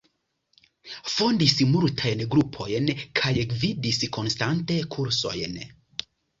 Fondis multajn grupojn kaj gvidis konstante kursojn.